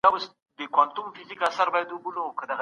سانسور د مطالعې د پرمختګ مخه نيسي.